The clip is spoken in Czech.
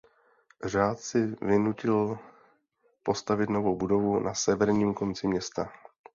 Řád si vynutil postavit novou budovu na severním konci města.